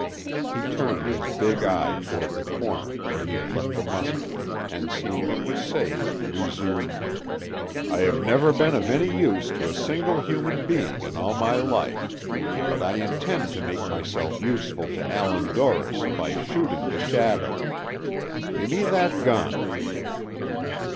He turned his big eye toward the corner where he had left the musket, and, seeing it was safe, resumed, "I have never been of any use to a single human being in all my life, but I intend to make myself useful to Allan Dorris by shooting the shadow. Give me that gun."